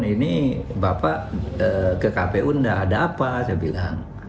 ini bapak ke kpu tidak ada apa saya bilang